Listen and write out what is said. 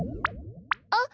あっ。